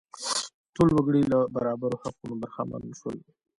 ټول وګړي له برابرو حقونو برخمن شول.